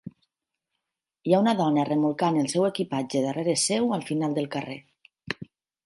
Hi ha una dona remolcant el seu equipatge darrere seu al final del carrer.